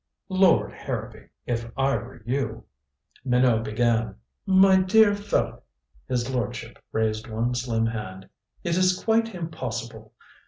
"Lord Harrowby, if I were you " Minot began. "My dear fellow." His lordship raised one slim hand. "It is quite impossible.